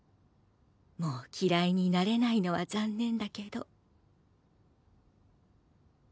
もう嫌いになれないのは残念だけど。